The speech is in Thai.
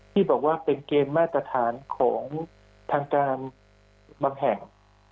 ที่บอกว่าเป็นเกณฑ์มาตรฐานของทางการบางแห่ง